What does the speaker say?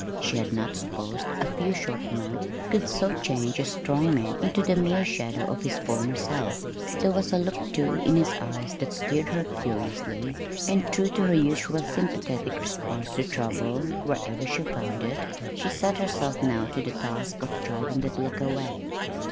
She had not supposed a few short months could so change a strong man into the mere shadow of his former self. There was a look, too, in his eyes that stirred her curiously; and, true to her usual sympathetic response to trouble wherever she found it, she set herself now to the task of driving that look away.